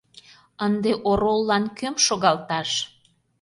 Ынде ороллан кӧм шогалташ?